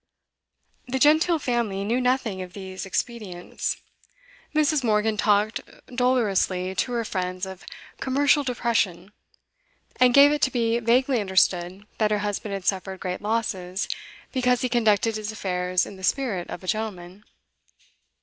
The genteel family knew nothing of these expedients. Mrs. Morgan talked dolorously to her friends of 'commercial depression,' and gave it to be vaguely understood that her husband had suffered great losses because he conducted his affairs in the spirit of a gentleman.